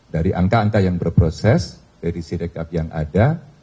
dari angka angka yang berproses edisi rekap yang ada